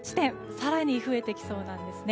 更に増えてきそうなんですね。